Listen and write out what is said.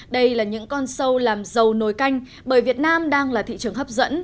đây là những con sâu làm dầu nồi canh bởi việt nam đang là thị trường hấp dẫn